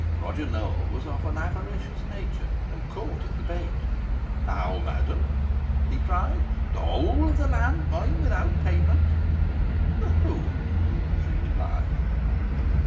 Roger Nowell was of an avaricious nature, and caught at the bait. "How, madam!" he cried, "the whole of the land mine without payment?" "The whole," she replied.